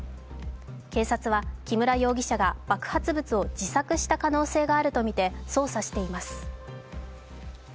警察は木村容疑者が爆発物を自作した可能性があるとみて捜査しています。